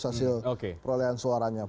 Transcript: hasil perolehan suaranya